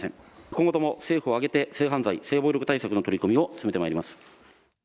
今後とも政府を挙げて、性犯罪、性暴力対策の取り組みを進めてまいります。